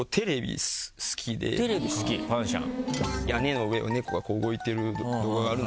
テレビ好きパンシャン。